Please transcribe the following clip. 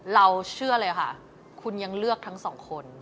เราเชื่อเลยค่ะคุณยังเลือกทั้งสองคน